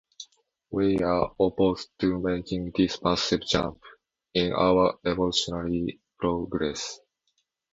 We are opposed to making this massive jump in our evolutionary progress.